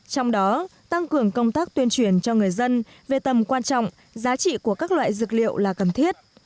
trong đó tăng cường công tác tuyên truyền cho người dân về tầm quan trọng giá trị của các loại dược liệu là cần thiết